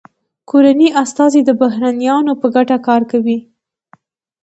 کورني استازي د بهرنیانو په ګټه کار کوي